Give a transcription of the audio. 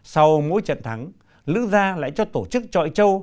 sau mỗi trận thắng lữ gia lại cho tổ chức trọi châu